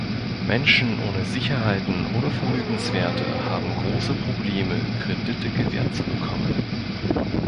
Menschen ohne Sicherheiten oder Vermögenswerte haben große Probleme, Kredite gewährt zu bekommen.